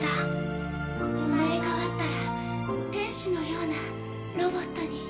生まれ変わったら天使のようなロボットに。